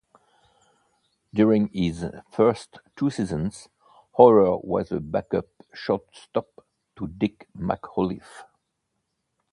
During his first two seasons, Oyler was a backup shortstop to Dick McAuliffe.